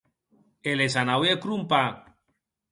E les anaue a crompar.